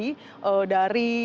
dari tubuh polis itu sendiri